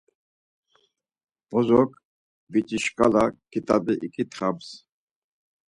Bozok biç̌i şkala kitabi iǩitxams.